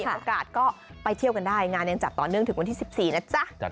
โอกาสก็ไปเที่ยวกันได้งานยังจัดต่อเนื่องถึงวันที่๑๔นะจ๊ะ